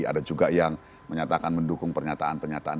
ada juga yang menyatakan mendukung pernyataan pernyataan